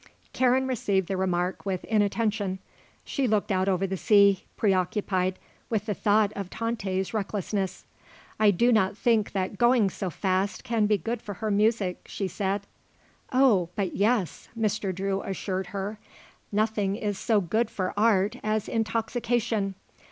Karen received the remark with inattention. She looked out over the sea, preoccupied with the thought of Tante's recklessness. "I do not think that going so fast can be good for her music," she said. "Oh, but yes," Mr. Drew assured her, "nothing is so good for art as intoxication.